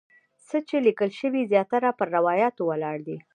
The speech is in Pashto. څه چې لیکل شوي زیاتره پر روایاتو ولاړ دي.